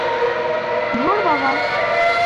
ধুর, বাবা।